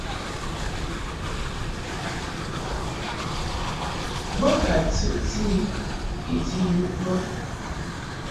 Bo ka tɨʼti I I ti yuʼ bə.